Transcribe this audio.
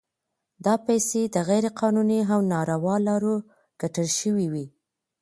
دا پیسې د غیر قانوني او ناروا لارو ګټل شوي وي.